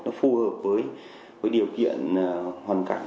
nó phù hợp với điều kiện hoàn cảnh